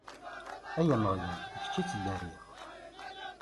Ay Ameɣlal, d kečč i ttdariɣ!